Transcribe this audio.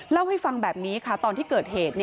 เล่าให้ฟังแบบนี้ค่ะตอนที่เกิดเหตุ